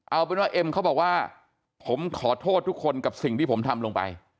เอาเป็นว่าเอ็มเขาบอกว่าผมขอโทษทุกคนกับสิ่งที่ผมทำลงไป